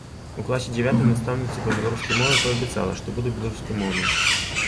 У класе дзявятым настаўніцы па беларускай мове паабяцала, што буду беларускамоўнай.